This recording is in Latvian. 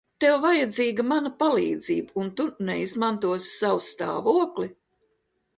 Tev vajadzīga mana palīdzība, un tu neizmantosi savu stāvokli?